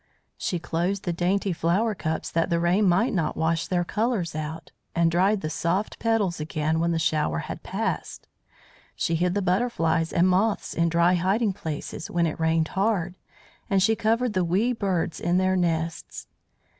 She closed the dainty flower cups that the rain might not wash their colours out, and dried the soft petals again when the shower had passed. She hid the butterflies and moths in dry hiding places when it rained hard, and she covered the wee birds in their nests.